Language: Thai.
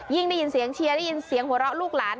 ได้ยินเสียงเชียร์ได้ยินเสียงหัวเราะลูกหลาน